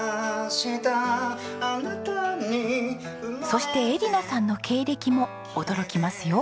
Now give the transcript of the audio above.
そして恵梨奈さんの経歴も驚きますよ。